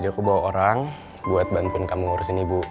iya siap siap kerja